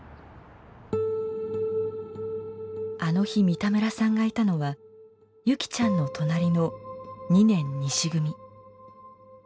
あの日三田村さんがいたのは優希ちゃんの隣の２年西組。